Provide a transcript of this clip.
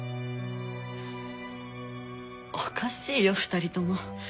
おかしいよ２人とも。